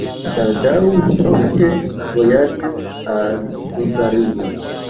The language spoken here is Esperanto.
Baldaŭ li ofte vojaĝis al Bulgario.